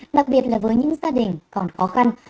đặc biệt là với những gia đình còn khó khăn